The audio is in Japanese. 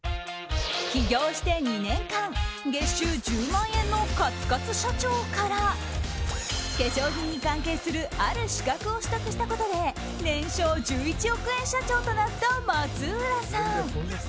１０万円のカツカツ社長から化粧品に関係するある資格を取得したことで年商１１億円社長となった松浦さん。